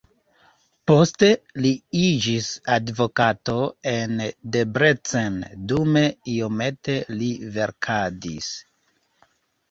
Poste li iĝis advokato en Debrecen, dume iomete li verkadis.